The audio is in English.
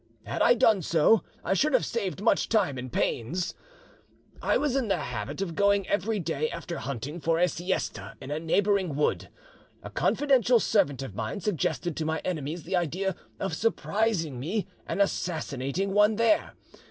Had I done so, I should have saved much time and pains. "I was in the habit of going every day, after hunting, for a siesta in a neighbouring wood. A confidential servant of mine suggested to my enemies the idea of surprising me and assassinating one there.